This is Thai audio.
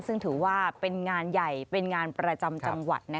ซึ่งถือว่าเป็นงานใหญ่เป็นงานประจำจังหวัด